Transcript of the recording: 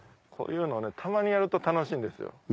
こういうのたまにやると楽しいんですよ。